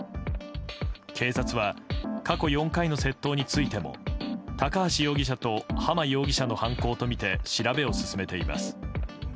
警察は過去４回の窃盗についても高橋容疑者と濱容疑者の犯行とみて調べを進めています。